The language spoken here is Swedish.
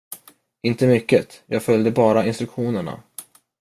Inte mycket, jag följde bara instruktionerna.